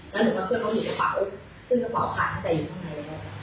แล้วหนูกับเพื่อนเขามีกระเป๋าซึ่งกระเป๋าผ่านแต่อยู่ข้างในแล้ว